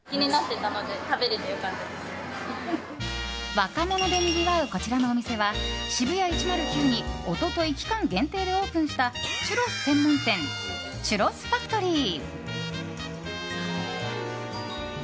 若者でにぎわうこちらのお店は渋谷１０９に一昨日、期間限定でオープンしたチュロス専門店ＣｈｕｒｒｏｓＦａｃｔｏｒｙ。